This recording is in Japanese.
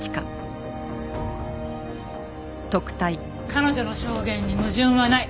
彼女の証言に矛盾はない。